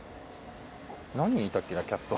何人いたっけなキャスト。